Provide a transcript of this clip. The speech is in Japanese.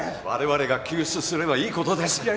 われわれが救出すればいいことです。